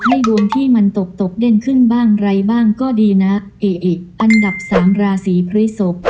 ดวงที่มันตกตกเด่นขึ้นบ้างไรบ้างก็ดีนะเอะอันดับสามราศีพฤศพ